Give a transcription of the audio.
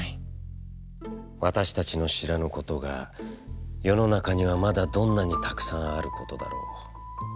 私達の知らぬことが世の中には、まだどんなに沢山あることだらう。